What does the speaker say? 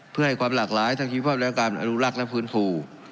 เพื่อให้ความหลากหลายทางชีวภาพและการอนุรักษ์และฟื้นฟู